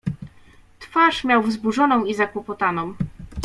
"Twarz miał wzburzoną i zakłopotaną."